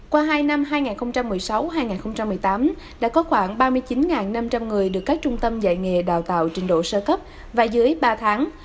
qua hai năm hai nghìn một mươi sáu hai nghìn một mươi tám đã có khoảng ba mươi chín năm trăm linh người được các trung tâm dạy nghề đào tạo trình độ sơ cấp và dưới ba tháng